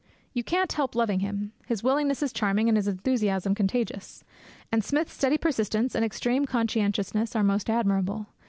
You can't help loving him. His willingness is charming, and his enthusiasm contagious. And Smith's steady persistence and extreme conscientiousness are most admirable.